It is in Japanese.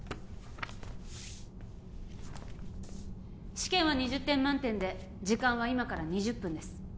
試験は２０点満点で時間は今から２０分です